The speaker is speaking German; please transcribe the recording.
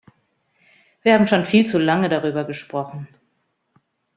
Wir haben schon viel zu lange darüber gesprochen.